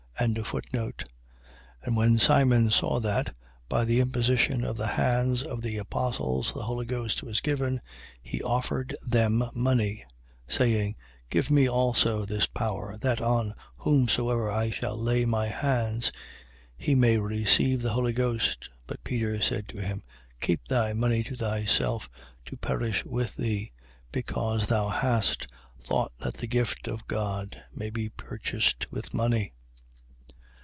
8:18. And when Simon saw that, by the imposition of the hands of the apostles, the Holy Ghost was given, he offered them money, 8:19. Saying: Give me also this power, that on whomsoever I shall lay my hands, he may receive the Holy Ghost. But Peter said to him: 8:20. Keep thy money to thyself, to perish with thee: because thou hast thought that the gift of God may be purchased with money.